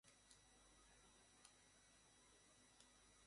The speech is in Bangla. যারা কিছুটা অবস্থাপন্ন তারা ডাক্তার দেখাতে কিংবা বাচ্চা প্রসব করতেও এসে থাকে।